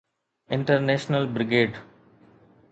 International brigade.